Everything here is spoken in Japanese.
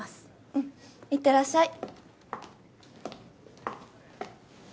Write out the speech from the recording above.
うんいってらっしゃい。